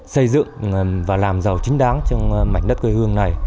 xây dựng và làm giàu chính đáng trong mảnh đất quê hương này